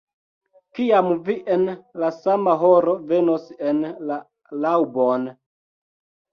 Kiam vi en la sama horo venos en la laŭbon.